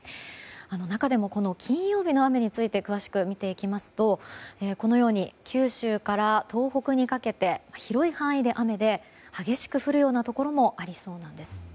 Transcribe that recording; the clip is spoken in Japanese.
中でも金曜日の雨について詳しく見ていきますとこのように九州から東北にかけて広い範囲で雨で激しく降るようなところもありそうなんです。